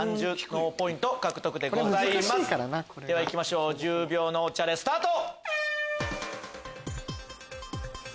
ではいきましょう１０秒脳チャレスタート！